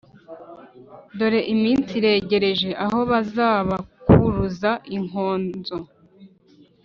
«Dore iminsi iregereje aho bazabakuruza inkonzo